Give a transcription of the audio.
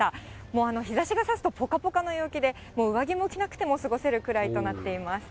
もう、日ざしがさすとぽかぽかの陽気で、もう上着も着なくても過ごせるくらいとなっています。